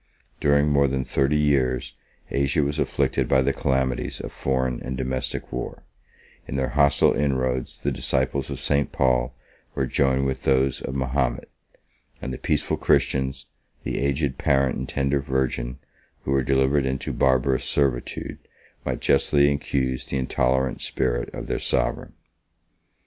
During more than thirty years, Asia was afflicted by the calamities of foreign and domestic war; in their hostile inroads, the disciples of St. Paul were joined with those of Mahomet; and the peaceful Christians, the aged parent and tender virgin, who were delivered into barbarous servitude, might justly accuse the intolerant spirit of their sovereign.